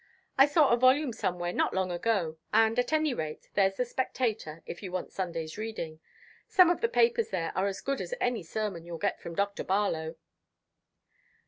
"I saw a volume somewhere not long ago; and at any rate there's the Spectator, if you want Sunday's reading some of the papers there are as good as any sermon you'll get from Dr. Barlow."